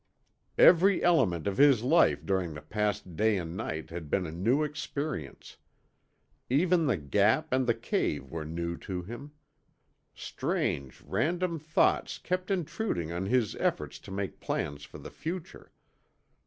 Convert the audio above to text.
Every element of his life during the past day and night had been a new experience. Even the Gap and the cave were new to him. Strange, random thoughts kept intruding on his efforts to make plans for the future.